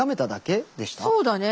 そうだね